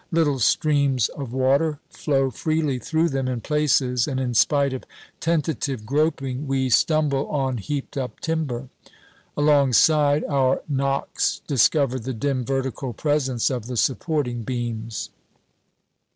Little streams of water flow freely through them in places, and in spite of tentative groping we stumble on heaped up timber. Alongside, our knocks discover the dim vertical presence of the supporting beams.